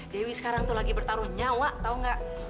dewi sekarang tuh lagi bertaruh nyawa tau gak